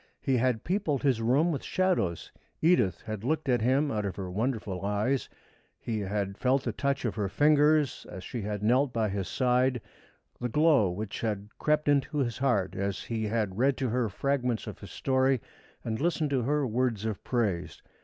He had peopled his room with shadows. Edith had looked at him out of her wonderful eyes, he had felt the touch of her fingers as she had knelt by his side, the glow which had crept into his heart as he had read to her fragments of his story and listened to her words of praise.